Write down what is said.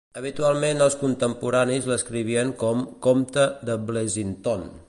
Habitualment els contemporanis l'escrivien com "Comte de Blesinton".